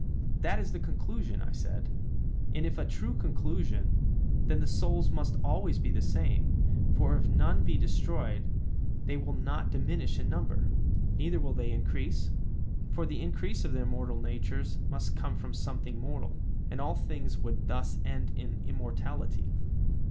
That is the conclusion, I said; and, if a true conclusion, then the souls must always be the same, for if none be destroyed they will not diminish in number. Neither will they increase, for the increase of the immortal natures must come from something mortal, and all things would thus end in immortality.